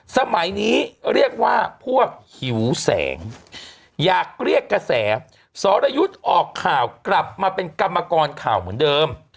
สมัยนี้เรียกว่าพวกหิวแสงอยากเรียกกระแสสรยุทธ์ออกข่าวกลับมาเป็นกรรมกรข่าวเหมือนเดิม